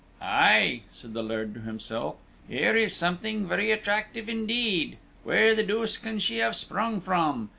"Aye," said the Laird to himself, "here is something very attractive indeed! Where the deuce can she have sprung from?